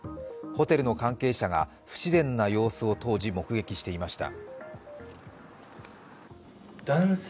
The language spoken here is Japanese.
ホテルの関係者が不自然な様子を当時、目撃していました。